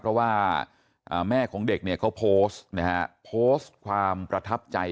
เพราะว่าแม่ของเด็กเนี่ยเขาโพสต์นะฮะโพสต์ความประทับใจ